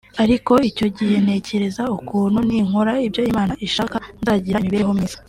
Ariko icyo gihe ntekereza ukuntu ninkora ibyo Imana ishaka nzagira imibereho myiza